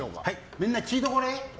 みんな聞いとくれ。